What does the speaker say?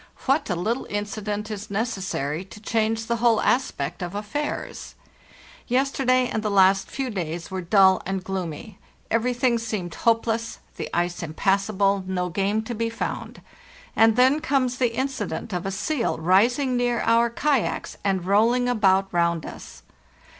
What a little incident is necessary to change the whole aspect of affairs! Yesterday and the last few days were dull and gloomy; everything seemed hopeless, the ice impassable, no game to be found; and then comes the incident of a seal rising near our kayaks and rolling about roundus.